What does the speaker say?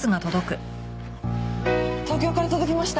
東京から届きました。